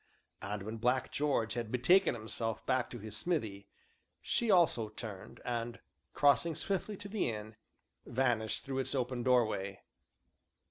And, when Black George had betaken himself back to his smithy, she also turned, and, crossing swiftly to the inn, vanished through its open doorway.